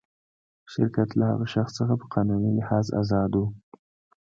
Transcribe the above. شرکت له هغه شخص څخه په قانوني لحاظ آزاد و.